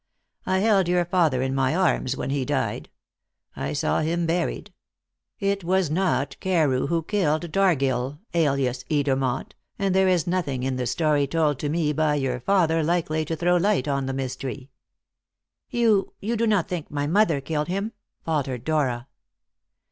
I held your father in my arms when he died; I saw him buried. It was not Carew who killed Dargill, alias Edermont, and there is nothing in the story told to me by your father likely to throw light on the mystery." "You you do not think my mother killed him?" faltered Dora.